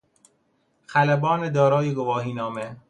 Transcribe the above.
خلبان دارای گواهینامه